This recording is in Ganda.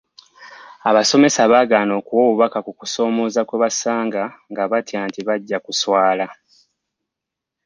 Abasomesa baagaana okuwa obubaka ku kusoomooza kwe basanga nga batya nti bajja kuswala.